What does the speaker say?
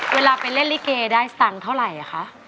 เวลาไปเล่นลิเกได้สตังค์เท่าไหร่คะ